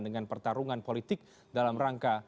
dengan pertarungan politik dalam rangka